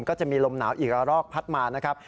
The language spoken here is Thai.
ก็จะมีลมหนาวอีกระรอกพัดมานะครับ